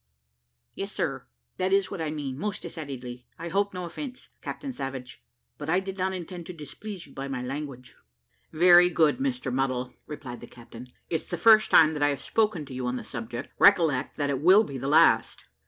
"Yes, sir, that is what I mean, most decidedly. I hope no offence; Captain Savage; but I did not intend to displease you by my language." "Very good, Mr Muddle," replied the captain; "it's the first time that I have spoken to you on the subject, recollect that it will be the last."